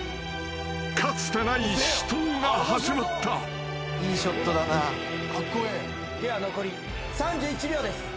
［かつてない死闘が始まった］では残り３１秒です。